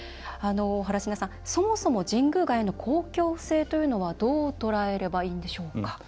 原科さん、そもそも神宮外苑の公共性というのはどうとらえればいいんでしょうか。